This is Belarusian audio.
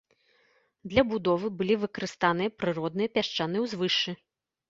Для будовы былі выкарыстаныя прыродныя пясчаныя ўзвышшы.